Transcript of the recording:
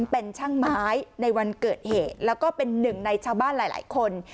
เป็นช่างไม้ในวันเกิดเหตุแล้วก็เป็นหนึ่งในชาวบ้านหลายคน